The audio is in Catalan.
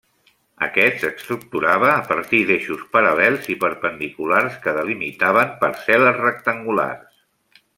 Aquest s'estructurava a partir d'eixos paral·lels i perpendiculars que delimitaven parcel·les rectangulars.